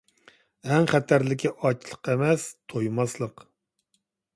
ئەڭ خەتەرلىكى ئاچلىق ئەمەس، تويماسلىق!